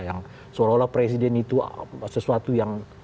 yang seolah olah presiden itu sesuatu yang